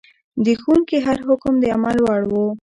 د ښوونکي هر حکم د عمل وړ و.